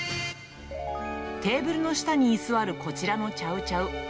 テーブルの下に居座るこちらのチャウチャウ。